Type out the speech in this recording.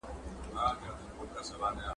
هغه ځان له کیسې بهر احساساوه.